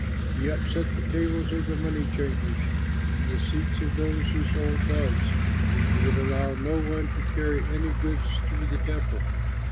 He upset the tables of the money changers, and the seats of those who sold doves, and would allow no one to carry any goods through the Temple.